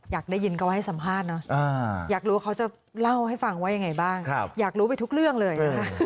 อยากได้ยินเขาให้สัมภาษณ์เนอะอยากรู้เขาจะเล่าให้ฟังว่ายังไงบ้างอยากรู้ไปทุกเรื่องเลยนะคะ